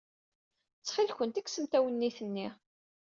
Ttxilkent, kksemt awennit-nni.